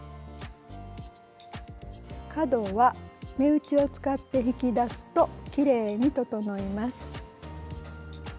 角は目打ちを使って引き出すときれいに整います。